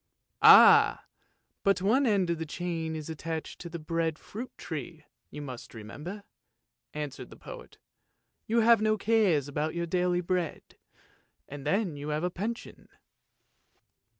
" "Ah! but one end of the chain is attached to the bread fruit tree, you must remember," answered the poet. " You have no cares about your daily bread, and then you have a pension."